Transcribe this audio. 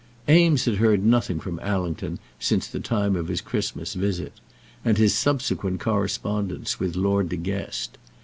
Eames had heard nothing from Allington since the time of his Christmas visit, and his subsequent correspondence with Lord De Guest.